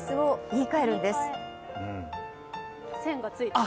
線がついてる？